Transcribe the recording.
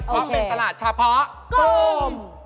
เพราะเป็นตลาดเฉพาะกลุ่ม